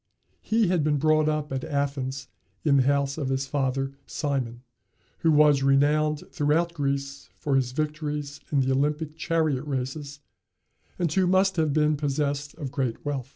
He had been brought up at Athens in the house of his father, Cimon, who was renowned throughout Greece for his victories in the Olympic chariot races, and who must have been possessed of great wealth.